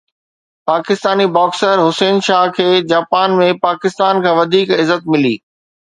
Pakistani boxer Hussain Shah کي Japan ۾ Pakistan کان وڌيڪ عزت ملي